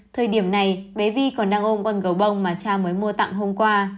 thời điểm này bé vi còn đang ôm con gấu bông mà cha mới mua tặng hôm qua